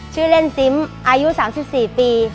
ชื่อเล่นซิมอายุ๓๔ปี